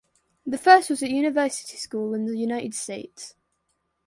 The first was at University School in the United States.